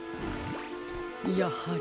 やはり。